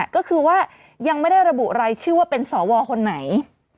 ก็คือว่ายังไม่ได้ระบุรายชื่อว่าเป็นสวคนไหน